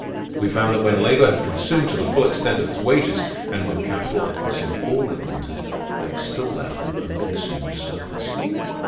We found that when labor had consumed to the full extent of its wages, and when capital had consumed all it wanted, there was still left an unconsumed surplus.